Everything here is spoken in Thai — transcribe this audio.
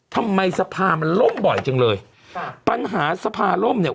ทำไมสภามันล่มบ่อยจังเลยค่ะปัญหาสภาล่มเนี่ย